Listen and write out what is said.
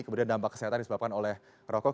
kemudian dampak kesehatan disebabkan oleh rokok